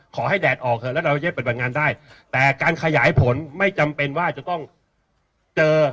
แดดออกเถอะแล้วเราจะปฏิบัติงานได้แต่การขยายผลไม่จำเป็นว่าจะต้องเจอ